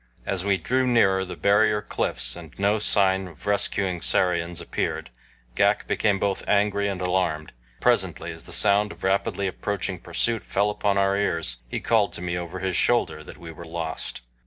As we drew nearer the barrier cliffs and no sign of rescuing Sarians appeared Ghak became both angry and alarmed, and presently as the sound of rapidly approaching pursuit fell upon our ears, he called to me over his shoulder that we were lost.